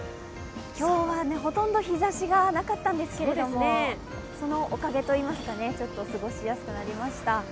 今日はほとんど日ざしがなかったんですけれども、そのおかげといいますか、ちょっと過ごしやすくなりました。